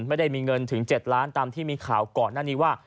ไม่ได้มีเงินถึง๗ล้านตามที่มีข่าวก่อนหน้านี้ว่า